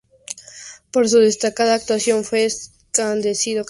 Por su destacada actuación fue ascendido a capitán.